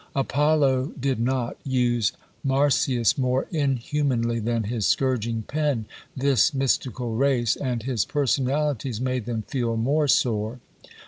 Apollo did not use Marsyas more inhumanly than his scourging pen this mystical race, and his personalities made them feel more sore.